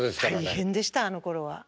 大変でしたあのころは。